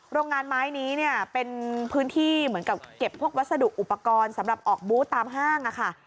โรงงานไม้นี้เนี่ยเป็นพื้นที่เหมือนกับเก็บพวกวัสดุอุปกรณ์สำหรับออกบูธตามห้างค่ะ